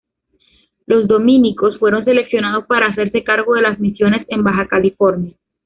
Los dominicos fueron seleccionados para hacerse cargo de las misiones en Baja California.